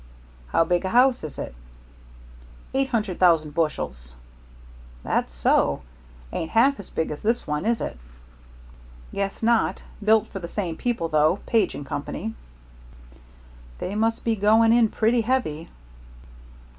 "No." "How big a house is it?" "Eight hundred thousand bushels." "That so? Ain't half as big as this one, is it?" "Guess not. Built for the same people, though, Page & Company." "They must be going in pretty heavy."